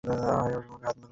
সে হাসি মুখে হাত মেলালো।